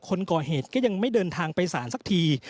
คนก่อเหตุก็ยังไม่เดินทางไปสารสักที